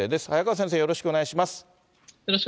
早川先生、よろしくお願いします。